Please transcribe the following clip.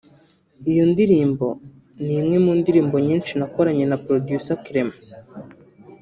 Iyo ndirimbo ni imwe mu ndirimbo nyinshi nakoranye na producer Clement